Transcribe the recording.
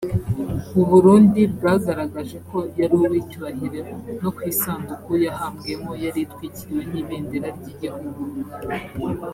u Burundi bwagaragaje ko yari uw’icyubahiro no ku isanduku yahambwemo yari itwikiriwe n’ibendera ry’igihugu